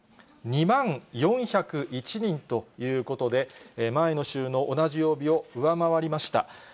２万４０１人ということで、前の週の同じ曜日を上回りました。